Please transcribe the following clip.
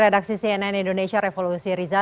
redaksi cnn indonesia revolusi riza